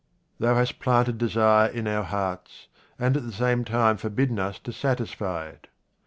Thou hast planted desire in our hearts, and at the same time forbidden us to satisfy it.